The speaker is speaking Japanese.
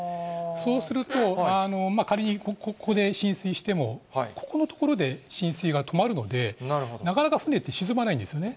そうすると、仮にここで浸水しても、ここの所で浸水が止まるので、なかなか船って、沈まないんですね。